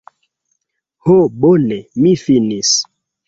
Ho bone mi finis